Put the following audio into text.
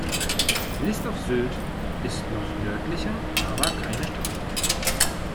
List auf Sylt ist noch nördlicher, aber keine Stadt.